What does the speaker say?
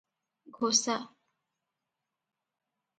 ଘୋଷା ।